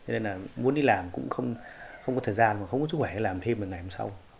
nên là muốn đi làm cũng không có thời gian và không có chức khỏe để làm thêm vào ngày hôm sau